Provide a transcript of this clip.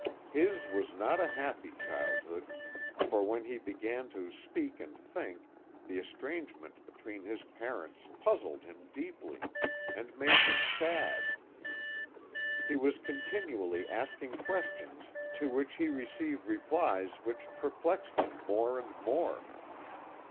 "His was not a happy childhood, for when he began ta speak and think, the estrangement between his parents puzzled him deeply, and made him sad. He was continually asking questions to which he received replies which perplexed him more and more.